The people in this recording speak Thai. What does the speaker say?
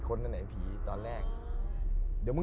คือมะหูด้วยแล้วก็เหวอด้วยอะพี่